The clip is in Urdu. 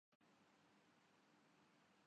یہ کتاب بہت اچھی ہے